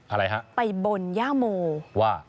อะไรคะ